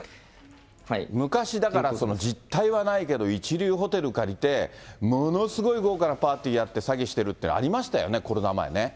昔だから、実態はないけど一流ホテル借りて、ものすごい豪華なパーティーやって、詐欺してるっていうのありましたよね、コロナ前ね。